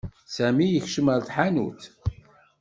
Sami yekcem ar tḥanutt.